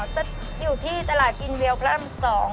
จะอยู่ที่ตลาดกินเวียวพศ๒